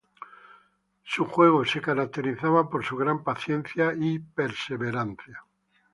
Su juego se caracterizaba por su gran paciencia y perseverancia.